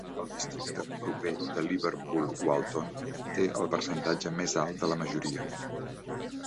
El districte proper de Liverpool Walton té el percentatge més alt de la majoria.